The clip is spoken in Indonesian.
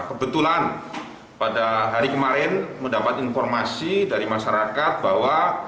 kebetulan pada hari kemarin mendapat informasi dari masyarakat bahwa